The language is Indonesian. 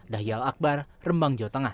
dahial akbar rembang jawa tengah